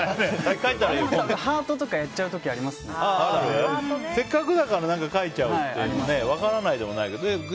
ハートとかやっちゃう時せっかくだから描いちゃうっていうのも分からないでもないけど。